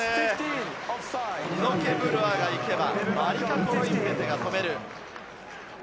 イノケ・ブルアが行けば、マリカ・コロインベテが止める。